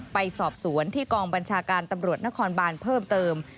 ไปสอบสวนที่กองบัญชาการตำรวจนครบานเพิ่มเติม